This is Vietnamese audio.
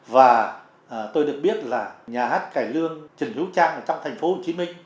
và tôi được biết là nhà hát cải lương trần hữu trang ở trong thành phố hồ chí minh